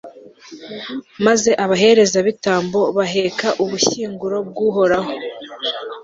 maze abaherezabitambo baheka ubushyinguro bw'uhoraho